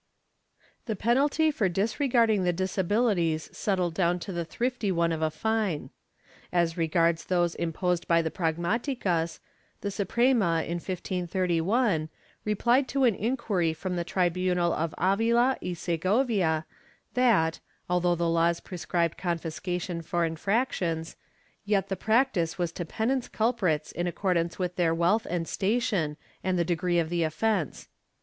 The penalty for disregarding the disabilities settled down to the thrifty one of a fine. As regards those imposed by the pragmaticas, the Suprema, in 1531, replied to an inquiry from the tribunal of Avila and Segovia that, although the laws prescribed confis cation for infractions, yet the practice was to penance culprits in accordance with their wealth and station and the degree of the offence.